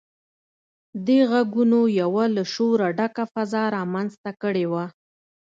دې غږونو يوه له شوره ډکه فضا رامنځته کړې وه.